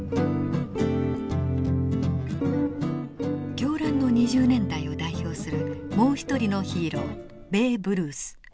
狂乱の２０年代を代表するもう一人のヒーローベーブ・ルース。